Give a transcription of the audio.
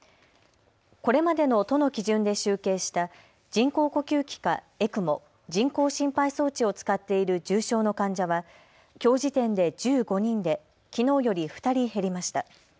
これまでの都の基準で集計した人工呼吸器かＥＣＭＯ・人工心肺装置を使っている重症の患者はきょう時点で１５人できのうより２人減りました。